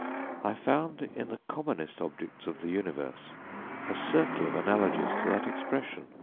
I found, in the commonest objects of the universe, a circle of analogies to that expression.